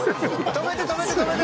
止めて止めて止めて！